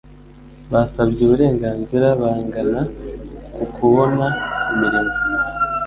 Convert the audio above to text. basabye uburenganzira bungana ku kubona imirimo